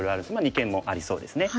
二間もありそうですね。